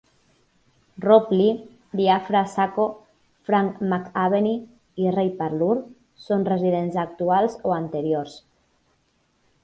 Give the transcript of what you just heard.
Rob Lee, Diafra Sakho, Frank McAvenie i Ray Parlour són residents actuals o anteriors.